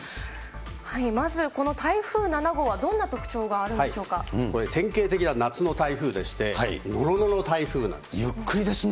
まずこの台風７号は、どんな特徴これ、典型的な夏の台風でしゆっくりですね。